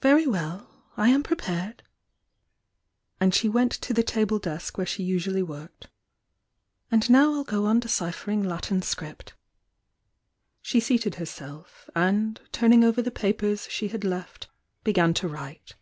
"Very well! I am prepared!" and she went to the table desk where she usually worked— "and now I'll go on deciphering Latin script." She seated herself, and, turning over the papers she had left, began to write.